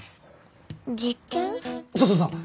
そうそうそう。